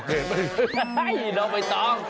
เอาไปต้อง